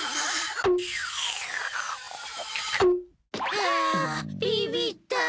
はあビビった。